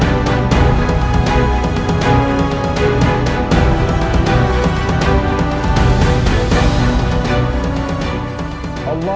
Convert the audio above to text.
kau akan diserang kami